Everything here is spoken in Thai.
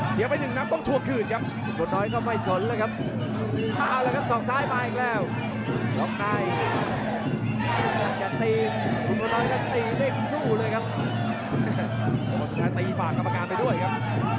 สุดท้ายตีฝากกรรมการไปด้วยครับ